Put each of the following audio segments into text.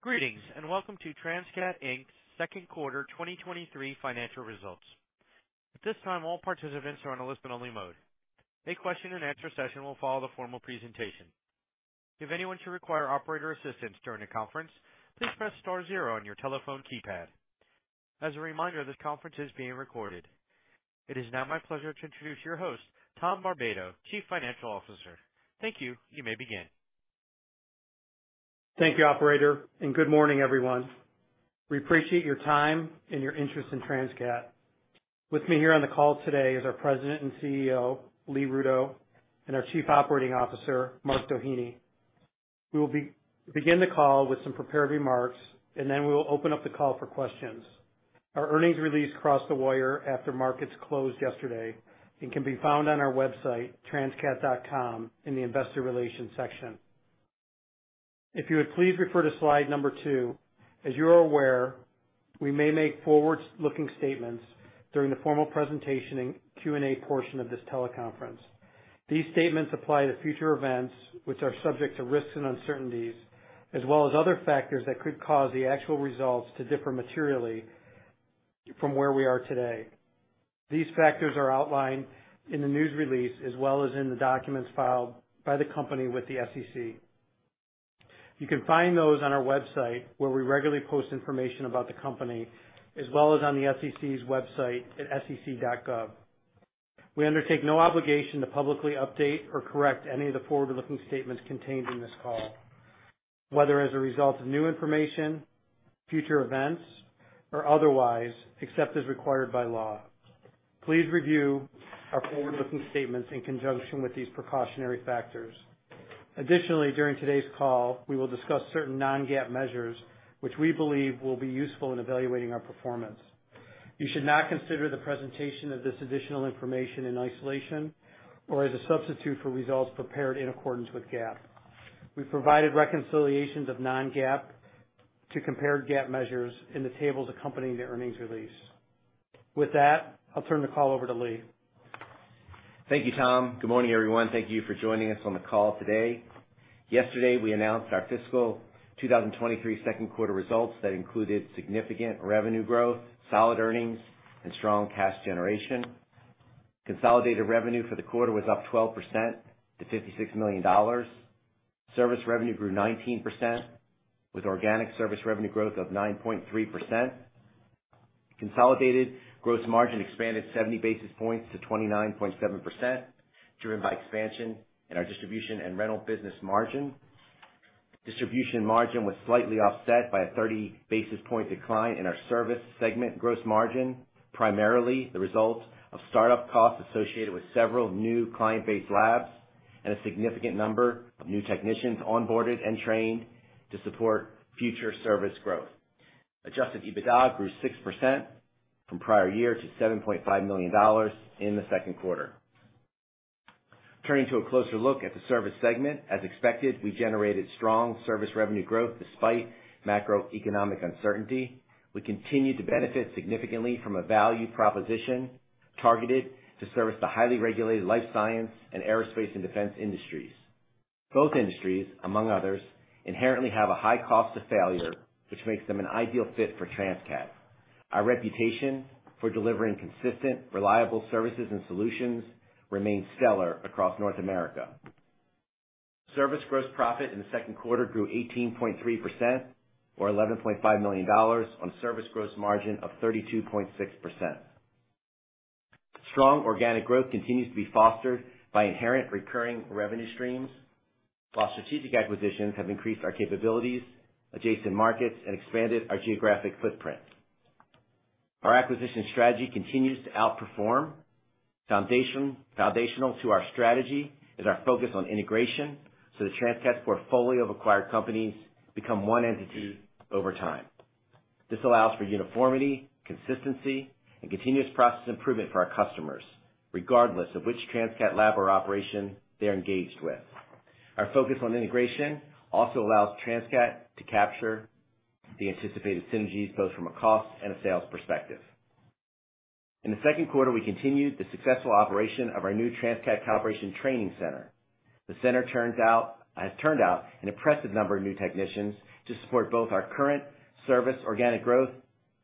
Greetings, and welcome to Transcat, Inc.'s second quarter 2023 financial results. At this time, all participants are on a listen-only mode. A question and answer session will follow the formal presentation. If anyone should require operator assistance during the conference, please press star zero on your telephone keypad. As a reminder, this conference is being recorded. It is now my pleasure to introduce your host, Tom Barbato, Chief Financial Officer. Thank you. You may begin. Thank you, operator, and good morning, everyone. We appreciate your time and your interest in Transcat. With me here on the call today is our President and CEO, Lee Rudow, and our Chief Operating Officer, Mark Doheny. We will begin the call with some prepared remarks, and then we will open up the call for questions. Our earnings release crossed the wire after markets closed yesterday and can be found on our website, transcat.com, in the investor relations section. If you would please refer to slide number two. As you're aware, we may make forward-looking statements during the formal presentation and Q&A portion of this teleconference. These statements apply to future events which are subject to risks and uncertainties, as well as other factors that could cause the actual results to differ materially from where we are today. These factors are outlined in the news release as well as in the documents filed by the company with the SEC. You can find those on our website, where we regularly post information about the company, as well as on the SEC's website at sec.gov. We undertake no obligation to publicly update or correct any of the forward-looking statements contained in this call, whether as a result of new information, future events, or otherwise, except as required by law. Please review our forward-looking statements in conjunction with these precautionary factors. Additionally, during today's call, we will discuss certain non-GAAP measures which we believe will be useful in evaluating our performance. You should not consider the presentation of this additional information in isolation or as a substitute for results prepared in accordance with GAAP. We've provided reconciliations of non-GAAP to comparable GAAP measures in the tables accompanying the earnings release. With that, I'll turn the call over to Lee. Thank you, Tom. Good morning, everyone. Thank you for joining us on the call today. Yesterday, we announced our fiscal 2023 second quarter results that included significant revenue growth, solid earnings, and strong cash generation. Consolidated revenue for the quarter was up 12% to $56 million. Service revenue grew 19%, with organic service revenue growth of 9.3%. Consolidated gross margin expanded 70 basis points to 29.7%, driven by expansion in our distribution and rental business margin. Distribution margin was slightly offset by a 30 basis points decline in our service segment gross margin, primarily the result of startup costs associated with several new client-based labs and a significant number of new technicians onboarded and trained to support future service growth. Adjusted EBITDA grew 6% from prior year to $7.5 million in the second quarter. Turning to a closer look at the service segment. As expected, we generated strong service revenue growth despite macroeconomic uncertainty. We continue to benefit significantly from a value proposition targeted to service the highly regulated life science and aerospace and defense industries. Both industries, among others, inherently have a high cost of failure, which makes them an ideal fit for Transcat. Our reputation for delivering consistent, reliable services and solutions remains stellar across North America. Service gross profit in the second quarter grew 18.3% or $11.5 million on service gross margin of 32.6%. Strong organic growth continues to be fostered by inherent recurring revenue streams, while strategic acquisitions have increased our capabilities, adjacent markets, and expanded our geographic footprint. Our acquisition strategy continues to outperform. Foundational to our strategy is our focus on integration, so the Transcat portfolio of acquired companies become one entity over time. This allows for uniformity, consistency, and continuous process improvement for our customers, regardless of which Transcat lab or operation they're engaged with. Our focus on integration also allows Transcat to capture the anticipated synergies, both from a cost and a sales perspective. In the second quarter, we continued the successful operation of our new Transcat calibration training center. The center has turned out an impressive number of new technicians to support both our current service organic growth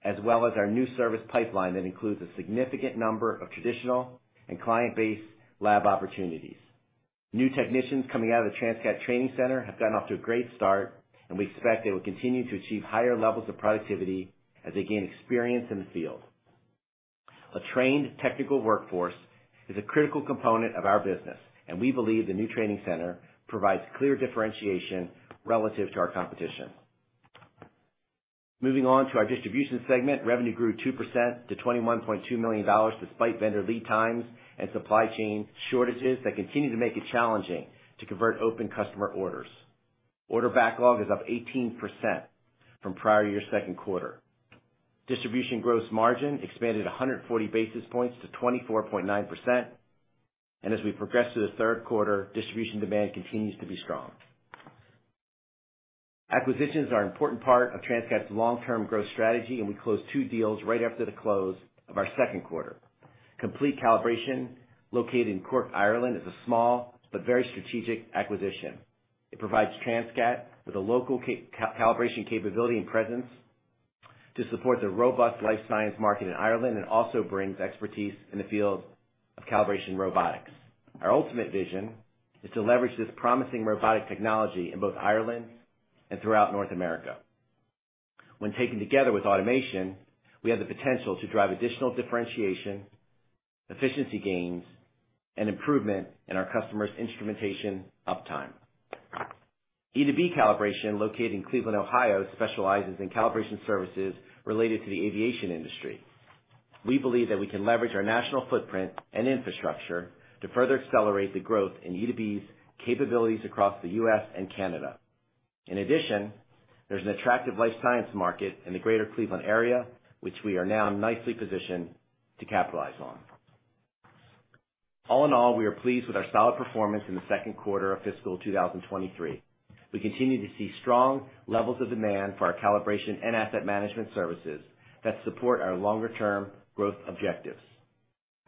as well as our new service pipeline that includes a significant number of traditional and client-based lab opportunities. New technicians coming out of the Transcat training center have gotten off to a great start, and we expect they will continue to achieve higher levels of productivity as they gain experience in the field. A trained technical workforce is a critical component of our business, and we believe the new training center provides clear differentiation relative to our competition. Moving on to our distribution segment. Revenue grew 2% to $21.2 million, despite vendor lead times and supply chain shortages that continue to make it challenging to convert open customer orders. Order backlog is up 18% from prior year second quarter. Distribution gross margin expanded 140 basis points to 24.9%. As we progress through the third quarter, distribution demand continues to be strong. Acquisitions are an important part of Transcat's long-term growth strategy, and we closed two deals right after the close of our second quarter. Complete Calibrations located in Cork, Ireland, is a small but very strategic acquisition. It provides Transcat with a local calibration capability and presence to support the robust life science market in Ireland and also brings expertise in the field of calibration robotics. Our ultimate vision is to leverage this promising robotic technology in both Ireland and throughout North America. When taken together with automation, we have the potential to drive additional differentiation, efficiency gains, and improvement in our customers' instrumentation uptime. e2b Calibration, located in Cleveland, Ohio, specializes in calibration services related to the aviation industry. We believe that we can leverage our national footprint and infrastructure to further accelerate the growth in e2b's capabilities across the U.S. and Canada. In addition, there's an attractive life science market in the greater Cleveland area, which we are now nicely positioned to capitalize on. All in all, we are pleased with our solid performance in the second quarter of fiscal 2023. We continue to see strong levels of demand for our calibration and asset management services that support our longer-term growth objectives.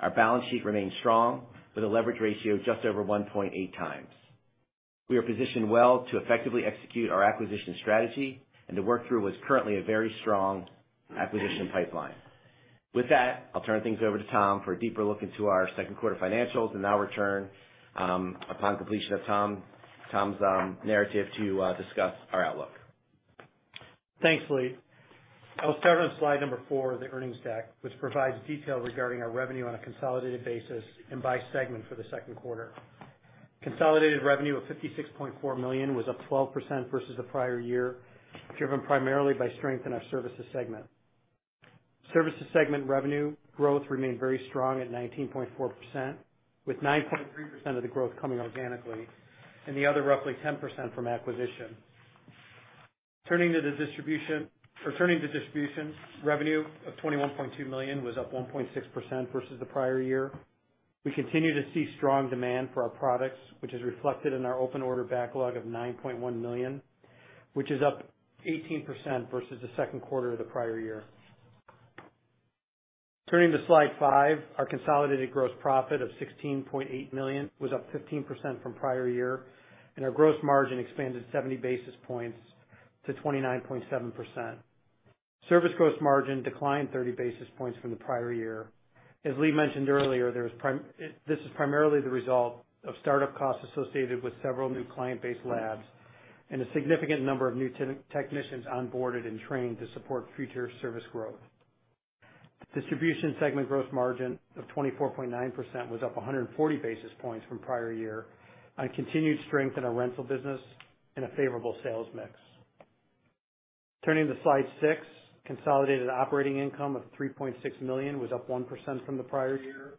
Our balance sheet remains strong with a leverage ratio of just over 1.8 times. We are positioned well to effectively execute our acquisition strategy and to work through what's currently a very strong acquisition pipeline. With that, I'll turn things over to Tom for a deeper look into our second quarter financials and I'll return upon completion of Tom's narrative to discuss our outlook. Thanks, Lee. I'll start on slide number four of the earnings deck, which provides detail regarding our revenue on a consolidated basis and by segment for the second quarter. Consolidated revenue of $56.4 million was up 12% versus the prior year, driven primarily by strength in our services segment. Services segment revenue growth remained very strong at 19.4%, with 9.3% of the growth coming organically and the other roughly 10% from acquisition. Turning to distribution, revenue of $21.2 million was up 1.6% versus the prior year. We continue to see strong demand for our products, which is reflected in our open order backlog of $9.1 million, which is up 18% versus the second quarter of the prior year. Turning to slide five, our consolidated gross profit of $16.8 million was up 15% from prior year, and our gross margin expanded 70 basis points to 29.7%. Service gross margin declined 30 basis points from the prior year. As Lee mentioned earlier, this is primarily the result of startup costs associated with several new client-based labs and a significant number of new technicians onboarded and trained to support future service growth. Distribution segment gross margin of 24.9% was up 140 basis points from prior year on continued strength in our rental business and a favorable sales mix. Turning to slide six consolidated operating income of $3.6 million was up 1% from the prior year.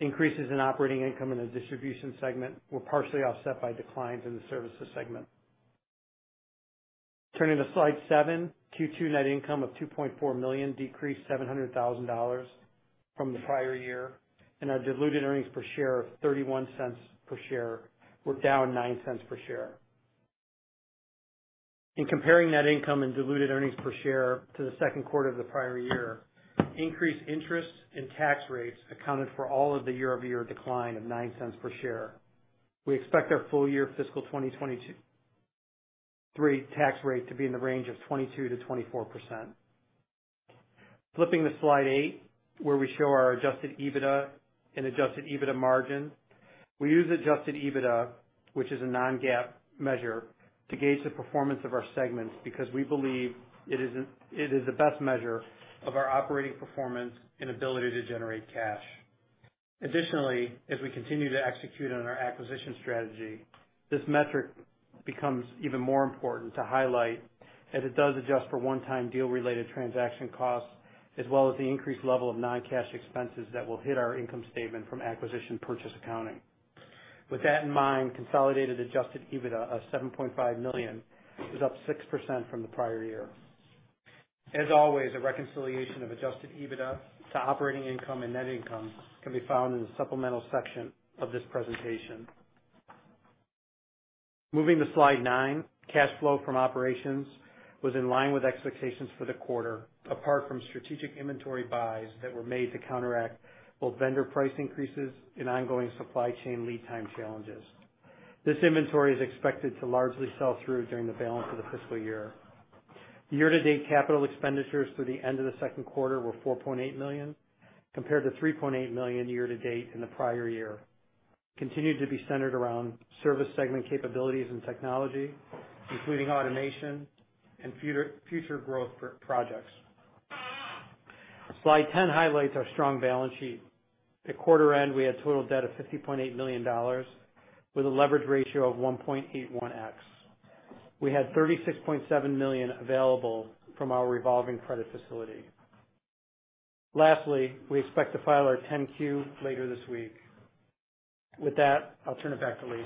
Increases in operating income in the distribution segment were partially offset by declines in the services segment. Turning to slide seven, Q2 net income of $2.4 million decreased $700,000 from the prior year, and our diluted earnings per share of $0.31 per share were down $0.09 per share. In comparing net income and diluted earnings per share to the second quarter of the prior year, increased interest and tax rates accounted for all of the year-over-year decline of $0.09 per share. We expect our full year fiscal 2023 tax rate to be in the range of 22%-24%. Flipping to slide eight, where we show our Adjusted EBITDA and Adjusted EBITDA margin. We use Adjusted EBITDA, which is a non-GAAP measure, to gauge the performance of our segments because we believe it is the best measure of our operating performance and ability to generate cash. Additionally, as we continue to execute on our acquisition strategy, this metric becomes even more important to highlight as it does adjust for one-time deal related transaction costs, as well as the increased level of non-cash expenses that will hit our income statement from acquisition purchase accounting. With that in mind, consolidated Adjusted EBITDA of $7.5 million is up 6% from the prior year. As always, a reconciliation of Adjusted EBITDA to operating income and net income can be found in the supplemental section of this presentation. Moving to slide nine, cash flow from operations was in line with expectations for the quarter, apart from strategic inventory buys that were made to counteract both vendor price increases and ongoing supply chain lead time challenges. This inventory is expected to largely sell through during the balance of the fiscal year. Year-to-date capital expenditures through the end of the second quarter were $4.8 million, compared to $3.8 million year-to-date in the prior year, continued to be centered around service segment capabilities and technology, including automation and future growth projects. Slide 10 highlights our strong balance sheet. At quarter end, we had total debt of $50.8 million with a leverage ratio of 1.81x. We had $36.7 million available from our revolving credit facility. Lastly, we expect to file our 10-Q later this week. With that, I'll turn it back to Lee.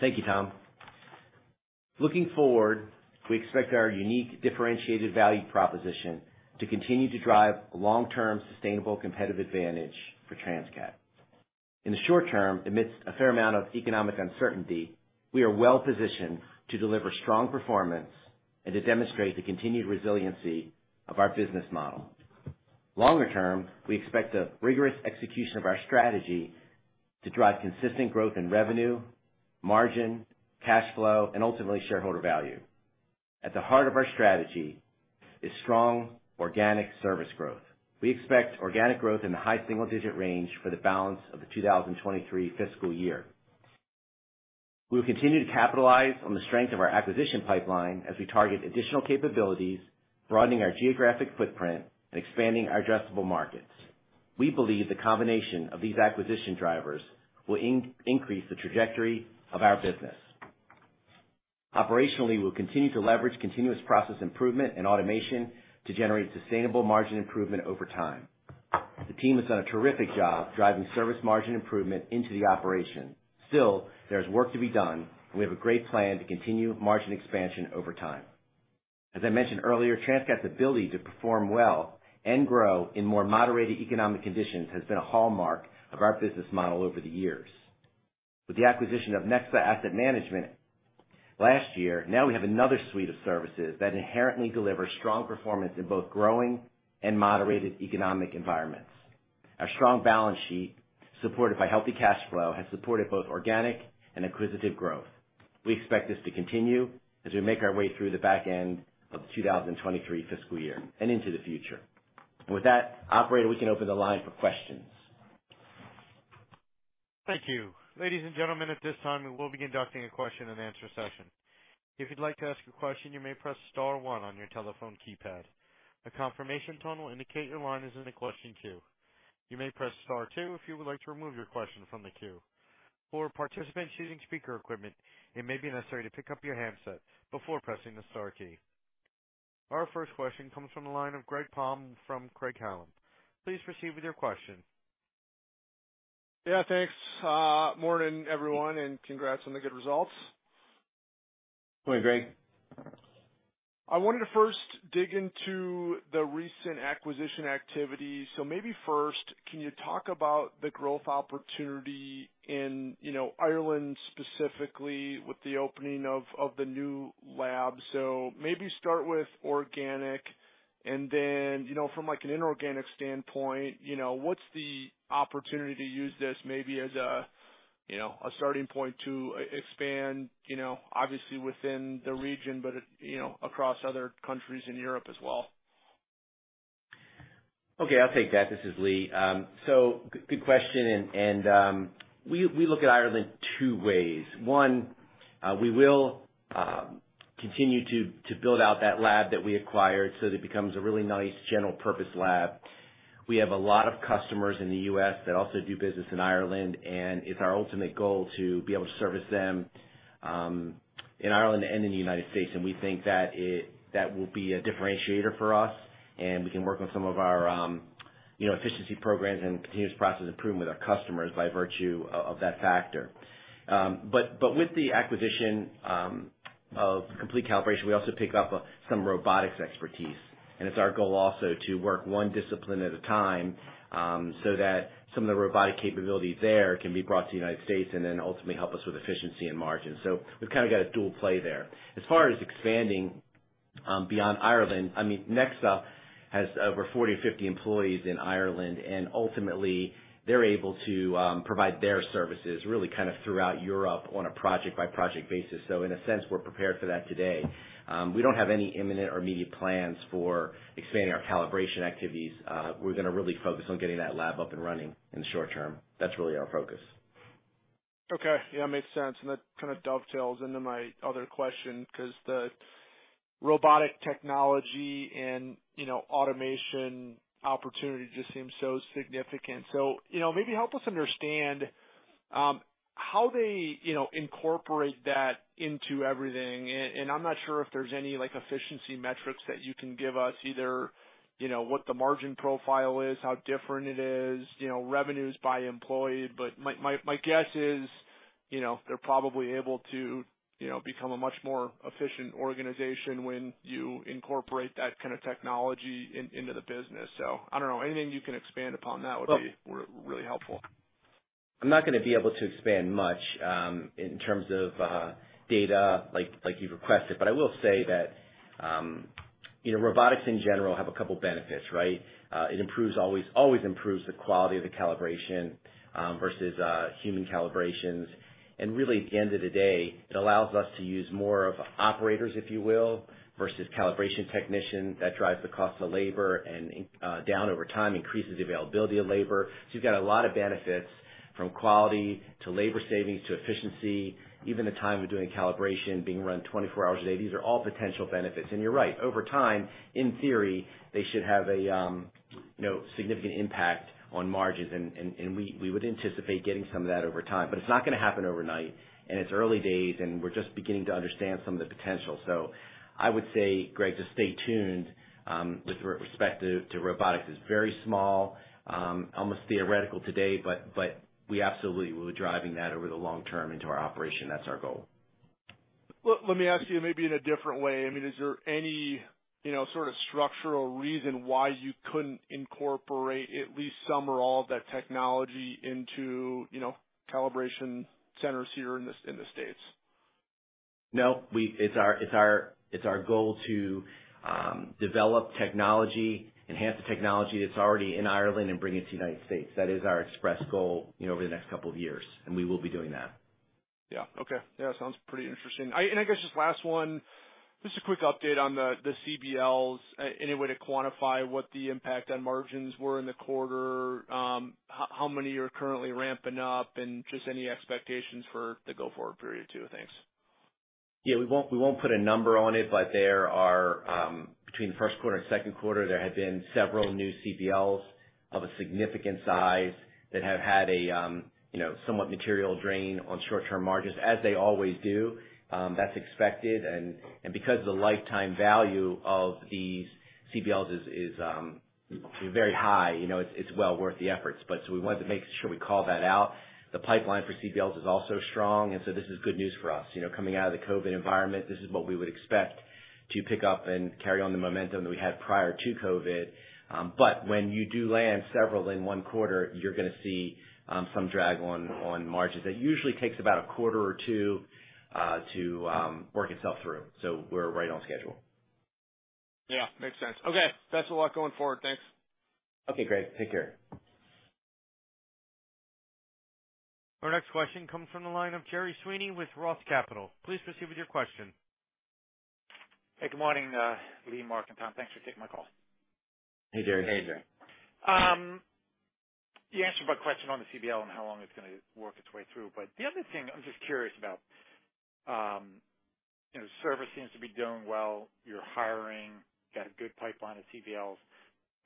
Thank you, Tom. Looking forward, we expect our unique differentiated value proposition to continue to drive long-term sustainable competitive advantage for Transcat. In the short term, amidst a fair amount of economic uncertainty, we are well-positioned to deliver strong performance and to demonstrate the continued resiliency of our business model. Longer term, we expect the rigorous execution of our strategy to drive consistent growth in revenue, margin, cash flow, and ultimately shareholder value. At the heart of our strategy is strong organic service growth. We expect organic growth in the high single-digit range for the balance of the 2023 fiscal year. We will continue to capitalize on the strength of our acquisition pipeline as we target additional capabilities, broadening our geographic footprint and expanding our addressable markets. We believe the combination of these acquisition drivers will increase the trajectory of our business. Operationally, we'll continue to leverage continuous process improvement and automation to generate sustainable margin improvement over time. The team has done a terrific job driving service margin improvement into the operation. Still, there's work to be done, and we have a great plan to continue margin expansion over time. As I mentioned earlier, Transcat's ability to perform well and grow in more moderated economic conditions has been a hallmark of our business model over the years. With the acquisition of Nexa Asset Management last year, now we have another suite of services that inherently deliver strong performance in both growing and moderated economic environments. Our strong balance sheet, supported by healthy cash flow, has supported both organic and acquisitive growth. We expect this to continue as we make our way through the back end of the 2023 fiscal year and into the future. With that, operator, we can open the line for questions. Thank you. Ladies and gentlemen, at this time, we will be conducting a question-and-answer session. If you'd like to ask a question, you may press star one on your telephone keypad. A confirmation tone will indicate your line is in the question queue. You may press star two if you would like to remove your question from the queue. For participants using speaker equipment, it may be necessary to pick up your handset before pressing the star key. Our first question comes from the line of Greg Palm from Craig-Hallum. Please proceed with your question. Yeah, thanks. Morning, everyone, and congrats on the good results. Morning, Greg. I wanted to first dig into the recent acquisition activity. Maybe first, can you talk about the growth opportunity in, you know, Ireland specifically with the opening of the new lab? Maybe start with organic and then, you know, from like an inorganic standpoint, you know, what's the opportunity to use this maybe as a, you know, a starting point to expand, you know, obviously within the region, but, you know, across other countries in Europe as well? Okay, I'll take that. This is Lee. Good question, and we look at Ireland two ways. One, we will continue to build out that lab that we acquired so that it becomes a really nice general purpose lab. We have a lot of customers in the U.S. that also do business in Ireland, and it's our ultimate goal to be able to service them in Ireland and in the United States. We think that will be a differentiator for us, and we can work on some of our, you know, efficiency programs and continuous process improvement with our customers by virtue of that factor. With the acquisition of Complete Calibrations, we also pick up some robotics expertise, and it's our goal also to work one discipline at a time, so that some of the robotic capabilities there can be brought to the United States and then ultimately help us with efficiency and margin. We've kind of got a dual play there. As far as expanding beyond Ireland, I mean Nexa has over 40 or 50 employees in Ireland, and ultimately they're able to provide their services really kind of throughout Europe on a project-by-project basis. In a sense, we're prepared for that today. We don't have any imminent or immediate plans for expanding our calibration activities. We're gonna really focus on getting that lab up and running in the short term. That's really our focus. Okay. Yeah, makes sense. That kind of dovetails into my other question because the robotic technology and, you know, automation opportunity just seems so significant. You know, maybe help us understand how they, you know, incorporate that into everything. I'm not sure if there's any, like efficiency metrics that you can give us either, you know, what the margin profile is, how different it is, you know, revenues by employee. But my guess is, you know, they're probably able to, you know, become a much more efficient organization when you incorporate that kind of technology in, into the business. I don't know. Anything you can expand upon that would be really helpful. I'm not gonna be able to expand much in terms of data like you've requested. I will say that you know, robotics in general have a couple benefits, right? It always improves the quality of the calibration versus human calibrations. Really, at the end of the day, it allows us to use more operators, if you will, versus calibration technicians. That drives the cost of labor down over time, increases availability of labor. You've got a lot of benefits from quality to labor savings to efficiency, even the time of doing calibration being run 24 hours a day. These are all potential benefits. You're right, over time, in theory, they should have a, you know, significant impact on margins and we would anticipate getting some of that over time. It's not gonna happen overnight, and it's early days, and we're just beginning to understand some of the potential. I would say, Greg, just stay tuned, with respective to robotics. It's very small, almost theoretical today, but we absolutely will be driving that over the long term into our operation. That's our goal. Well, let me ask you maybe in a different way. I mean, is there any, you know, sort of structural reason why you couldn't incorporate at least some or all of that technology into, you know, calibration centers here in the States? No. It's our goal to develop technology, enhance the technology that's already in Ireland and bring it to the United States. That is our express goal, you know, over the next couple of years, and we will be doing that. Yeah. Okay. Yeah, sounds pretty interesting. I guess just last one, just a quick update on the CBLs. Any way to quantify what the impact on margins were in the quarter? How many are currently ramping up? Just any expectations for the go-forward period too. Thanks. Yeah, we won't put a number on it, but there are between the first quarter and second quarter, there have been several new CBLs of a significant size that have had a you know, somewhat material drain on short-term margins, as they always do. That's expected. Because the lifetime value of these CBLs is very high, you know, it's well worth the efforts. We wanted to make sure we call that out. The pipeline for CBLs is also strong, and so this is good news for us. You know, coming out of the COVID environment, this is what we would expect to pick up and carry on the momentum that we had prior to COVID. When you do land several in one quarter, you're gonna see some drag on margins. That usually takes about a quarter or two to work itself through. We're right on schedule. Yeah. Makes sense. Okay. Best of luck going forward. Thanks. Okay, Greg. Take care. Our next question comes from the line of Gerry Sweeney with Roth Capital. Please proceed with your question. Hey, good morning, Lee, Mark, and Tom. Thanks for taking my call. Hey, Gerry. Hey, Gerry. You answered my question on the CBL and how long it's gonna work its way through. The other thing I'm just curious about, you know, service seems to be doing well. You're hiring, got a good pipeline of CBLs,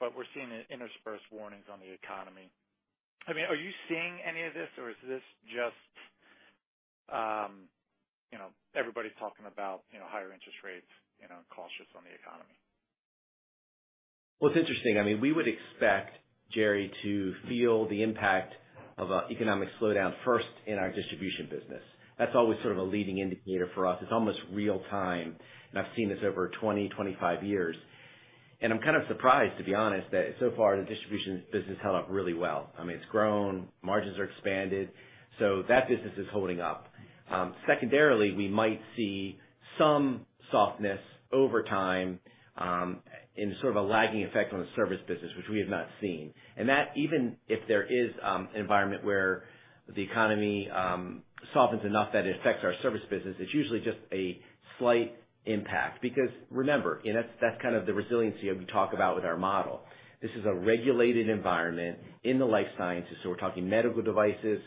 but we're seeing interspersed warnings on the economy. I mean, are you seeing any of this, or is this just, you know, everybody's talking about, you know, higher interest rates, you know, and cautious on the economy? Well, it's interesting. I mean, we would expect, Gerry, to feel the impact of an economic slowdown first in our distribution business. That's always sort of a leading indicator for us. It's almost real time, and I've seen this over 20, 25 years. I'm kind of surprised, to be honest, that so far the distribution business held up really well. I mean, it's grown, margins are expanded, so that business is holding up. Secondarily, we might see some softness over time, in sort of a lagging effect on the service business, which we have not seen. That even if there is, an environment where the economy, softens enough that it affects our service business, it's usually just a slight impact. Because remember, and that's kind of the resiliency that we talk about with our model. This is a regulated environment in the life sciences, so we're talking medical devices,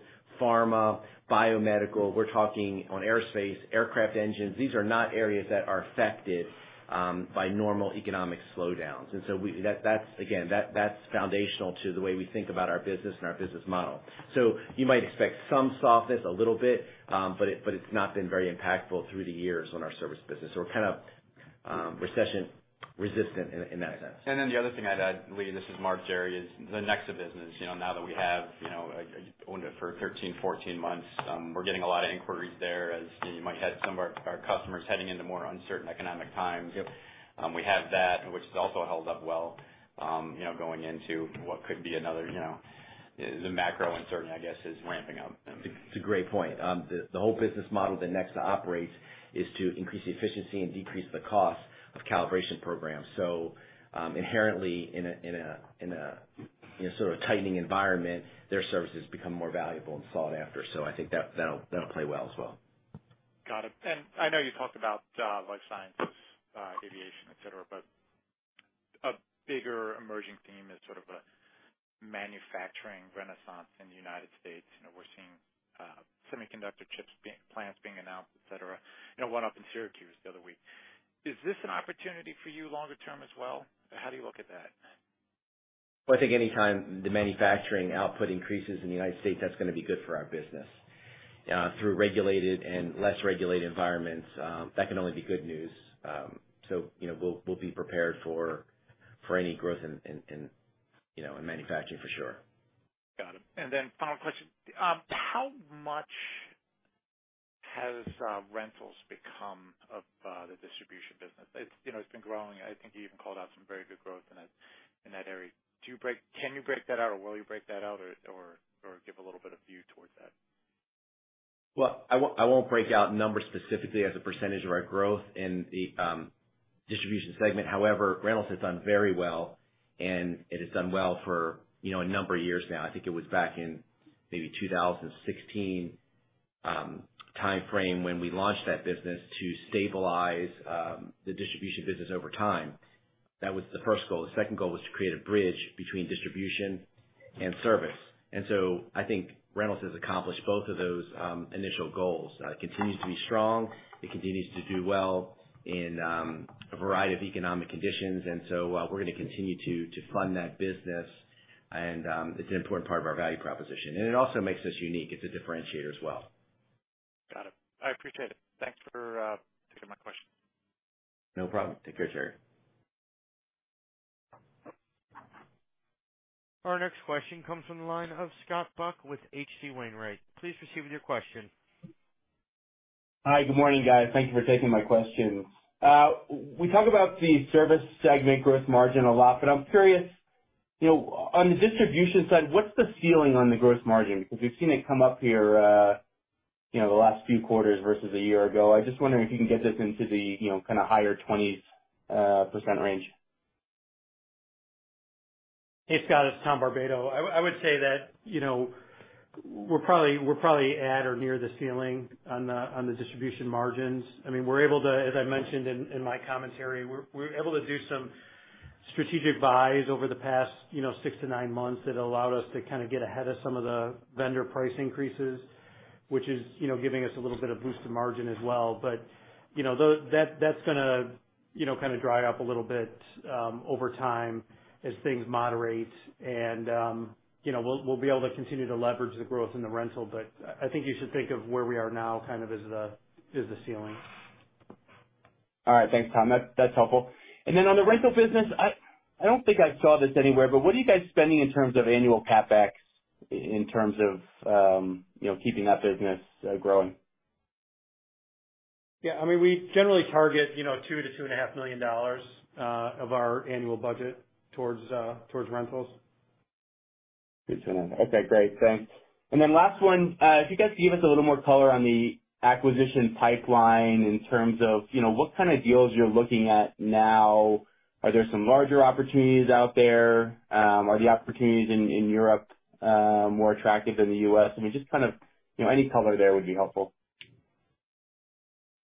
pharma, biomedical. We're talking in aerospace, aircraft engines. These are not areas that are affected by normal economic slowdowns. That's again foundational to the way we think about our business and our business model. You might expect some softness a little bit, but it's not been very impactful through the years on our service business. We're kind of recession resistant in that sense. The other thing I'd add, Lee, this is Mark, Jerry, is the Nexa business. You know, now that we have, you know, owned it for 13, 14 months, we're getting a lot of inquiries there as you might have some of our customers heading into more uncertain economic times. Yep. We have that which has also held up well, you know, going into what could be another, you know. The macro uncertainty, I guess, is ramping up. It's a great point. The whole business model that Nexa operates is to increase the efficiency and decrease the cost of calibration programs. Inherently in a, you know, sort of tightening environment, their services become more valuable and sought after. I think that'll play well as well. Got it. I know you talked about life sciences, aviation, et cetera, but a bigger emerging theme is sort of a manufacturing renaissance in the United States. You know, we're seeing plants being announced, et cetera. You know, one up in Syracuse the other week. Is this an opportunity for you longer term as well? How do you look at that? Well, I think anytime the manufacturing output increases in the United States, that's gonna be good for our business. Through regulated and less regulated environments, that can only be good news. You know, we'll be prepared for any growth in manufacturing for sure. Got it. Final question. How much has rentals become of the distribution business? It's, you know, it's been growing. I think you even called out some very good growth in that, in that area. Can you break that out or will you break that out or give a little bit of view towards that? Well, I won't break out numbers specifically as a percentage of our growth in the distribution segment. However, rentals has done very well, and it has done well for, you know, a number of years now. I think it was back in maybe 2016 timeframe when we launched that business to stabilize the distribution business over time. That was the first goal. The second goal was to create a bridge between distribution and service. I think rentals has accomplished both of those initial goals. It continues to be strong. It continues to do well in a variety of economic conditions. We're gonna continue to fund that business. It's an important part of our value proposition. It also makes us unique. It's a differentiator as well. Got it. I appreciate it. Thanks for taking my question. No problem. Take care, Gerry. Our next question comes from the line of Scott Buck with H.C. Wainwright. Please proceed with your question. Hi, good morning, guys. Thank you for taking my questions. We talk about the service segment gross margin a lot, but I'm curious, you know, on the distribution side, what's the ceiling on the gross margin? Because we've seen it come up here, you know, the last few quarters versus a year ago. I'm just wondering if you can get this into the, you know, kinda higher 20s% range. Hey, Scott, it's Tom Barbato. I would say that, you know, we're probably at or near the ceiling on the distribution margins. I mean, we're able to, as I mentioned in my commentary, we're able to do some strategic buys over the past, you know, six to nine months that allowed us to kind of get ahead of some of the vendor price increases, which is, you know, giving us a little bit of boost in margin as well. But, you know, that's gonna, you know, kind of dry up a little bit over time as things moderate and, you know, we'll be able to continue to leverage the growth in the rental, but I think you should think of where we are now kind of as the ceiling. All right. Thanks, Tom. That's helpful. Then on the rental business, I don't think I saw this anywhere, but what are you guys spending in terms of annual CapEx in terms of, you know, keeping that business growing? Yeah, I mean, we generally target, you know, $2 million-$2.5 million of our annual budget towards rentals. 2.5. Okay, great. Thanks. Last one, if you guys could give us a little more color on the acquisition pipeline in terms of, you know, what kind of deals you're looking at now? Are there some larger opportunities out there? Are the opportunities in Europe more attractive than the US? I mean, just kind of, you know, any color there would be helpful.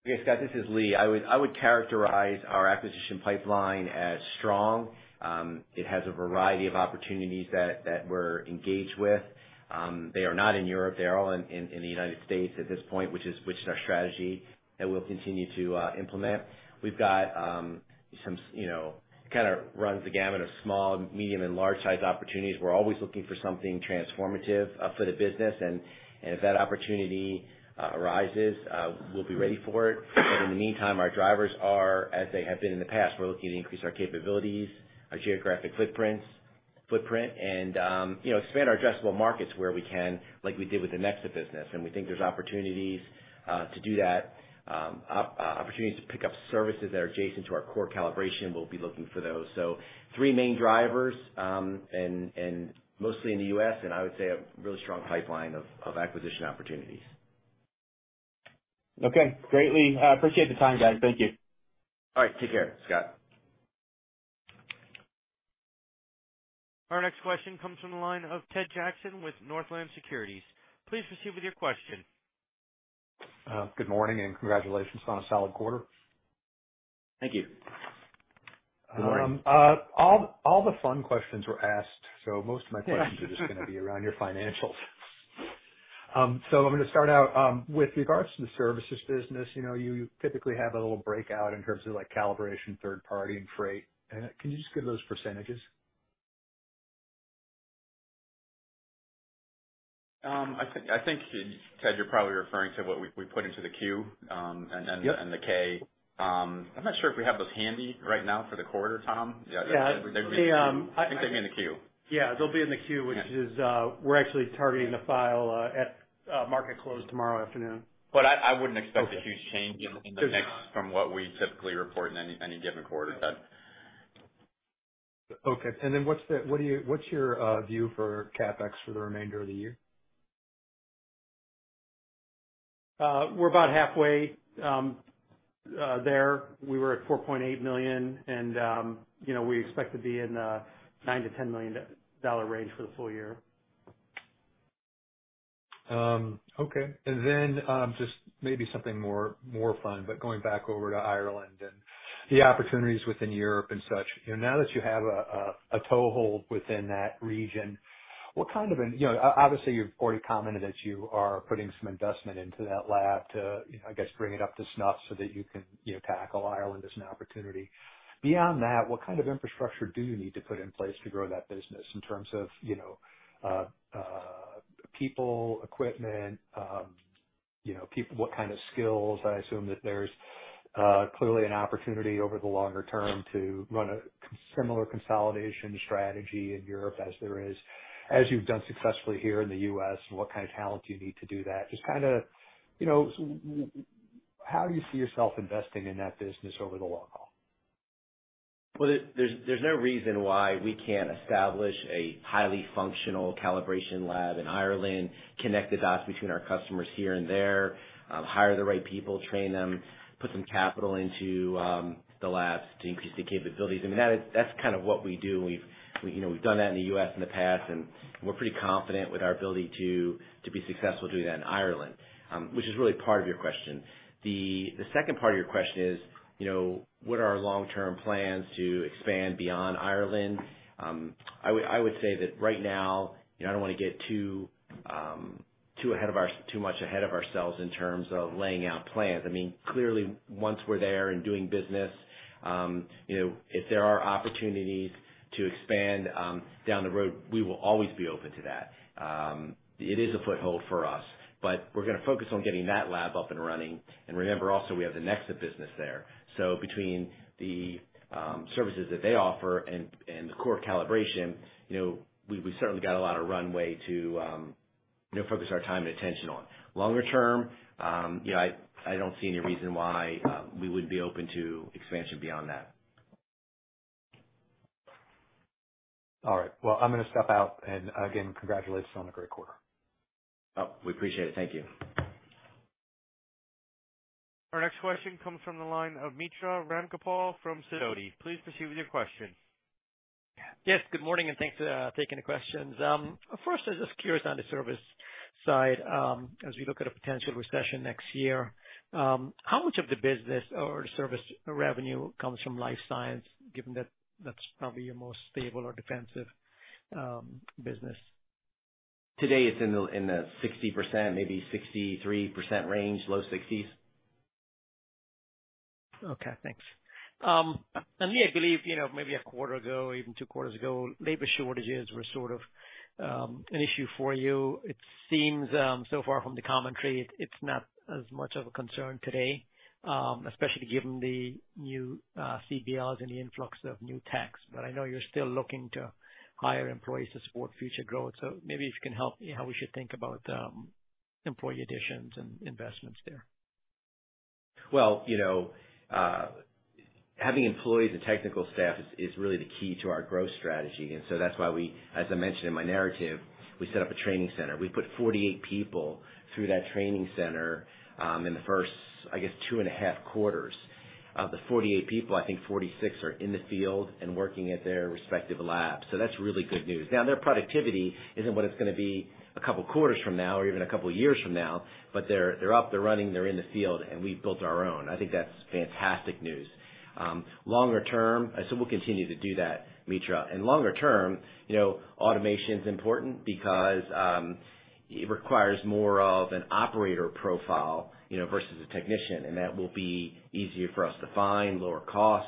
Yeah. Scott, this is Lee. I would characterize our acquisition pipeline as strong. It has a variety of opportunities that we're engaged with. They are not in Europe. They're all in the United States at this point, which is our strategy that we'll continue to implement. We've got some, you know, kinda runs the gamut of small, medium, and large size opportunities. We're always looking for something transformative for the business. If that opportunity arises, we'll be ready for it. In the meantime, our drivers are, as they have been in the past, we're looking to increase our capabilities, our geographic footprint, and, you know, expand our addressable markets where we can, like we did with the Nexa business, and we think there's opportunities to do that. Opportunities to pick up services that are adjacent to our core calibration, we'll be looking for those. Three main drivers, and mostly in the U.S., and I would say a really strong pipeline of acquisition opportunities. Okay, great, Lee. I appreciate the time, guys. Thank you. All right. Take care, Scott. Our next question comes from the line of Ted Jackson with Northland Securities. Please proceed with your question. Good morning, and congratulations on a solid quarter. Thank you. Good morning. All the fun questions were asked. Most of my questions are just gonna be around your financials. I'm gonna start out with regards to the services business. You know, you typically have a little breakout in terms of like calibration, third party, and freight. Can you just give those percentages? I think, Ted, you're probably referring to what we put into the Q. Yep. I'm not sure if we have those handy right now for the quarter, Tom. Yeah. They're gonna be in the Q. I think they're gonna be in the Q. Yeah, they'll be in the Q, which we're actually targeting to file at market close tomorrow afternoon. I wouldn't expect. Okay. A huge change in the NEX from what we typically report in any given quarter, Ted. What's your view for CapEx for the remainder of the year? We're about halfway there. We were at $4.8 million and, you know, we expect to be in the $9-$10 million dollar range for the full year. Okay. Just maybe something more fun, but going back over to Ireland and the opportunities within Europe and such. You know, now that you have a toehold within that region, you know, obviously, you've already commented that you are putting some investment into that lab to, you know, I guess bring it up to snuff so that you can, you know, tackle Ireland as an opportunity. Beyond that, what kind of infrastructure do you need to put in place to grow that business in terms of, you know, people, equipment, what kind of skills? I assume that there's clearly an opportunity over the longer term to run a similar consolidation strategy in Europe as there is, as you've done successfully here in the U.S., and what kind of talent do you need to do that? Just kinda, you know, how do you see yourself investing in that business over the long haul? Well, there's no reason why we can't establish a highly functional calibration lab in Ireland, connect the dots between our customers here and there, hire the right people, train them, put some capital into the labs to increase the capabilities. I mean, that's kind of what we do. You know, we've done that in the U.S. in the past, and we're pretty confident with our ability to be successful doing that in Ireland, which is really part of your question. The second part of your question is, you know, what are our long-term plans to expand beyond Ireland? I would say that right now, you know, I don't wanna get too much ahead of ourselves in terms of laying out plans. I mean, clearly, once we're there and doing business, you know, if there are opportunities to expand down the road, we will always be open to that. It is a foothold for us, but we're gonna focus on getting that lab up and running. Remember also we have the Nexa business there. Between the services that they offer and the core calibration, you know, we certainly got a lot of runway to, you know, focus our time and attention on. Longer term, you know, I don't see any reason why we would be open to expansion beyond that. All right. Well, I'm gonna step out and, again, congratulations on a great quarter. Oh, we appreciate it. Thank you. Our next question comes from the line of Mitra Ramgopal from Sidoti. Please proceed with your question. Yes, good morning, and thanks for taking the questions. First I was just curious on the service side, as we look at a potential recession next year, how much of the business or service revenue comes from life science, given that that's probably your most stable or defensive business? Today, it's in the 60%, maybe 63% range, low 60s. Okay, thanks. Lee, I believe, you know, maybe a quarter ago or even two quarters ago, labor shortages were sort of an issue for you. It seems so far from the commentary, it's not as much of a concern today, especially given the new CBLs and the influx of new techs, but I know you're still looking to hire employees to support future growth. Maybe if you can help how we should think about employee additions and investments there? Well, you know, having employees and technical staff is really the key to our growth strategy. That's why we, as I mentioned in my narrative, we set up a training center. We put 48 people through that training center in the first, I guess, two and a half quarters. Of the 48 people, I think 46 are in the field and working at their respective labs. That's really good news. Now, their productivity isn't what it's gonna be a couple quarters from now or even a couple years from now, but they're up, they're running, they're in the field, and we've built our own. I think that's fantastic news. Longer term, we'll continue to do that, Mitra. Longer term, you know, automation's important because it requires more of an operator profile, you know, versus a technician, and that will be easier for us to find, lower cost.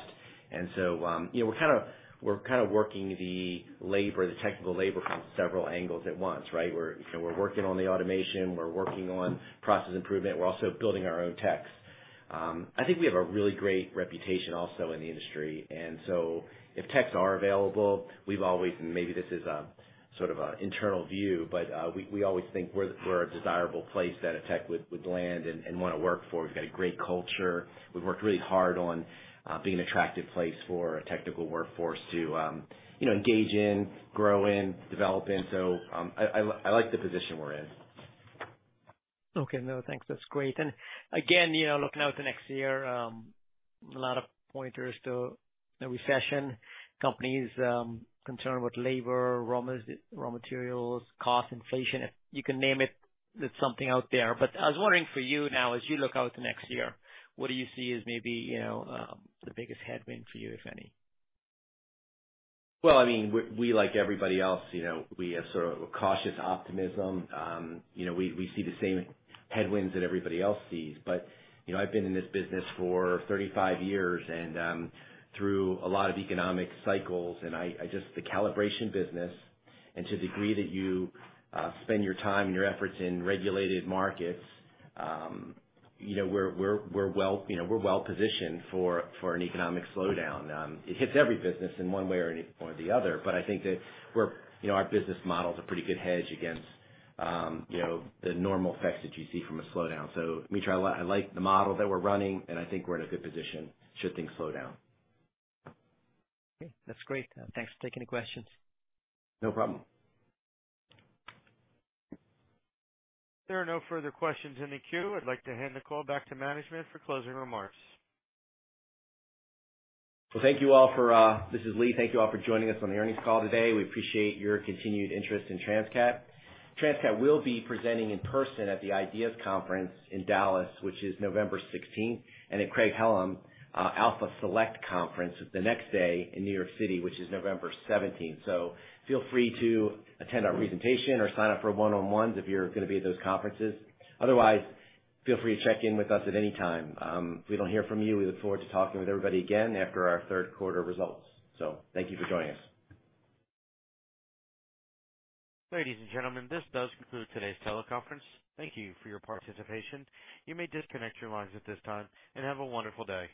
You know, we're kind of working the labor, the technical labor from several angles at once, right? You know, we're working on the automation. We're working on process improvement. We're also building our own techs. I think we have a really great reputation also in the industry. If techs are available, we've always, and maybe this is a sort of an internal view, but we always think we're a desirable place that a tech would land and wanna work for. We've got a great culture. We've worked really hard on being an attractive place for a technical workforce to, you know, engage in, grow in, develop in. I like the position we're in. Okay. No, thanks. That's great. Again, you know, looking out to next year, a lot of pointers to the recession, companies, concerned with labor, raw materials, cost inflation. You can name it's something out there. I was wondering for you now as you look out to next year, what do you see as maybe, you know, the biggest headwind for you, if any? Well, I mean, we like everybody else, you know, we have sort of a cautious optimism. You know, we see the same headwinds that everybody else sees. You know, I've been in this business for 35 years and through a lot of economic cycles. The calibration business and to the degree that you spend your time and your efforts in regulated markets, you know, we're well positioned for an economic slowdown. It hits every business in one way or the other. I think that we're, you know, our business model's a pretty good hedge against, you know, the normal effects that you see from a slowdown. Mitra, I like the model that we're running, and I think we're in a good position should things slow down. Okay, that's great. Thanks for taking the questions. No problem. There are no further questions in the queue. I'd like to hand the call back to management for closing remarks. This is Lee. Thank you all for joining us on the earnings call today. We appreciate your continued interest in Transcat. Transcat will be presenting in person at the IDEAS Conference in Dallas, which is November 16th, and at Craig-Hallum Alpha Select Conference the next day in New York City, which is November 17th. Feel free to attend our presentation or sign up for one-on-ones if you're gonna be at those conferences. Otherwise, feel free to check in with us at any time. If we don't hear from you, we look forward to talking with everybody again after our third quarter results. Thank you for joining us. Ladies and gentlemen, this does conclude today's teleconference. Thank you for your participation. You may disconnect your lines at this time, and have a wonderful day.